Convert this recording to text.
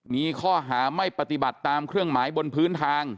มีข้อหาไม่ปฏิบัติตามเครื่องหมายบนพื้นทาง